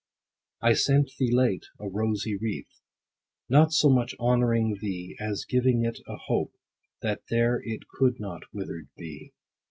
I sent thee late a rosy wreath, Not so much honoring thee, 10 As giving it a hope, that there It could not wither'd be.